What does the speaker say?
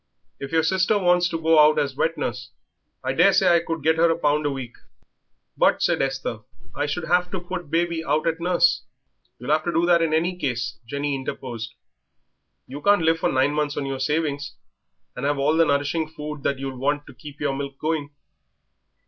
"If your sister wants to go out as wet nurse, I daresay I could get her a pound a week." "But," said Esther, "I should have to put baby out at nurse." "You'll have to do that in any case," Jenny interposed; "you can't live for nine months on your savings and have all the nourishing food that you'll want to keep your milk going."